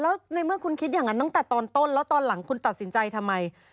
แล้วในเมื่อคุณคิดอย่างนั้นตั้งแต่ตอนต้นแล้วตอนหลังคุณตัดสินใจทำไม